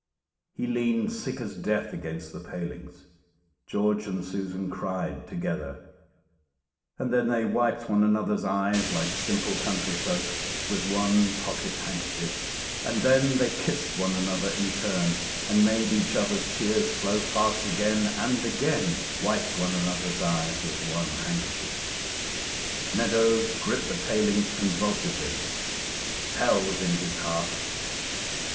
He leaned sick as death against the palings. George and Susan cried together, and then they wiped one another's eyes like simple country folk with one pocket handkerchief; and then they kissed one another in turn, and made each other's tears flow fast again; and again wiped one another's eyes with one handkerchief. Meadows griped the palings convulsively hell was in his heart.